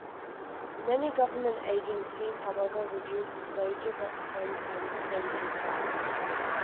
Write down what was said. Many government agencies, however, reduced wages at the same time that they reduced hours.